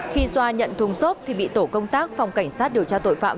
khi xoa nhận thùng xốp thì bị tổ công tác phòng cảnh sát điều tra tội phạm